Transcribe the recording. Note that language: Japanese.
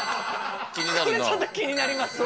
これちょっと気になりますね。